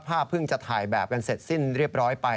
เพิ่งจะถ่ายแบบกันเสร็จสิ้นเรียบร้อยไป